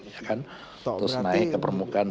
ya kan terus naik ke permukaan